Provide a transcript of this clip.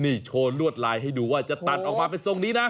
นี่โชว์ลวดลายให้ดูว่าจะตัดออกมาเป็นทรงนี้นะ